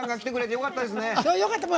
よかった！